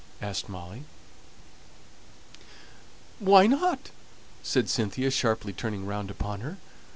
asked Molly. "Why not?" said Cynthia, sharply turning round upon her.